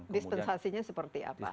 dispensasinya seperti apa